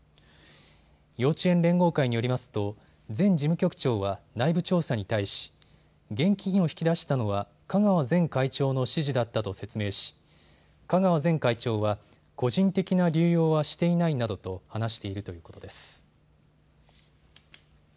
幼稚園連合会によりますと前事務局長は内部調査に対し現金を引き出したのは香川前会長の指示だったと説明し香川前会長は個人的な流用はしていないなどと話しているということです。